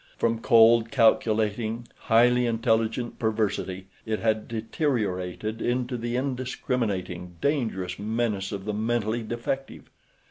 From cold, calculating, highly intelligent perversity it had deteriorated into the indiscriminating, dangerous menace of the mentally defective.